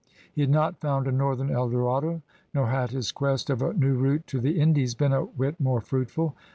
He had not found a northern Eldorado, nor had his quest of a new route to the Indies been a whit more fruitful.